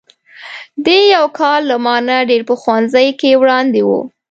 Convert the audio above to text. دی یو کال له ما نه په ښوونځي کې وړاندې و.